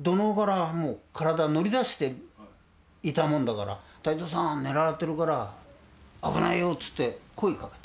土のうから体乗り出していたもんだから「隊長さん狙われてるから危ないよ」つって声かけた。